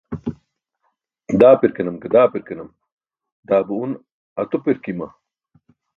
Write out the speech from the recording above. Daapirkanam ke daapirkanam daa be un atupirkaima.